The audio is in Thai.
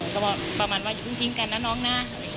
ก็บอกประมาณว่าอย่าเพิ่งทิ้งกันนะน้องนะ